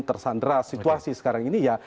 tersandra situasi sekarang ini ya